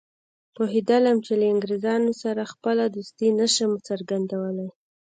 پوهېدلم چې له انګریزانو سره خپله دوستي نه شم څرګندولای.